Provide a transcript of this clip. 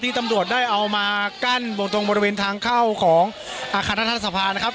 ที่ตำลวจได้เอามากั้นตรงบริเวณทางเข้าของอาคารท่านท่านสภานะครับ